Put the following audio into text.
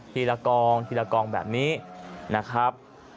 ละกองทีละกองแบบนี้นะครับ